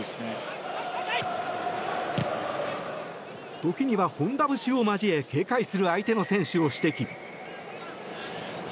時には本田節を交え警戒する相手の選手を指摘。